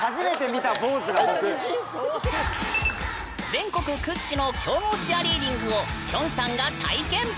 全国屈指の強豪チアリーディングをきょんさんが体験！